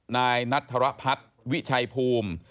นายนัทธรพัฒน์วิชัยภูมิ